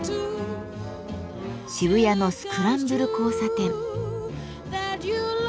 渋谷のスクランブル交差点。